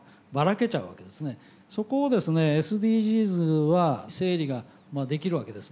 そこをですねＳＤＧｓは整理ができるわけです。